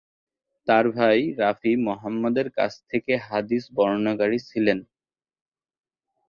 তার ভাই রাফি মুহাম্মদের কাছ থেকে হাদীস বর্ণনাকারী ছিলেন।